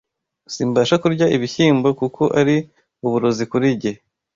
Simbasha kurya ibishyimbo, kuko ari uburozi kuri jye